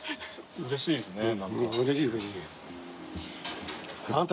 うれしいですね何か。